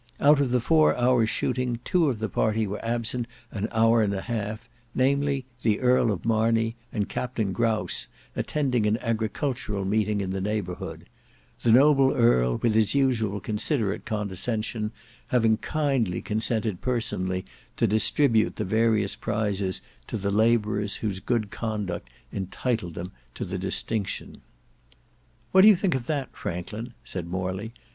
Out of the four hours' shooting two of the party were absent an hour and a half, namely the Earl of Marney and Captain Grouse, attending an agricultural meeting in the neighbourhood; the noble earl with his usual considerate condescension having kindly consented personally to distribute the various prizes to the labourers whose good conduct entitled them to the distinction." "What do you think of that, Franklin?" said Morley.